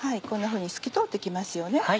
こんなふうに透き通って来ますよね。